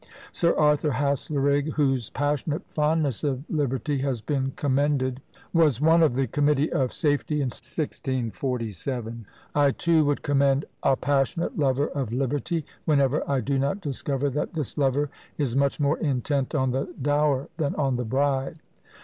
Sir Arthur Haslerigg, whose "passionate fondness of liberty" has been commended, was one of the committee of safety in 1647 I too would commend "a passionate lover of liberty," whenever I do not discover that this lover is much more intent on the dower than on the bride.